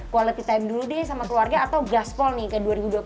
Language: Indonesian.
quality time dulu deh sama keluarga atau gaspol nih ke dua ribu dua puluh satu